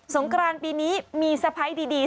งกรานปีนี้มีสะพ้ายดี